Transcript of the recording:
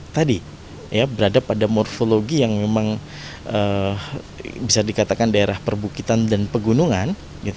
tadi berada pada morfologi yang memang bisa dikatakan daerah perbukitan dan pegunungan